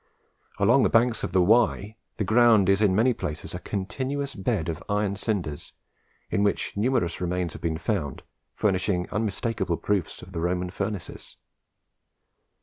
Along the banks of the Wye, the ground is in many places a continuous bed of iron cinders, in which numerous remains have been found, furnishing unmistakeable proofs of the Roman furnaces.